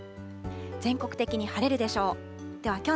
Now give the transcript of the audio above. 全国的に晴れるでしょう。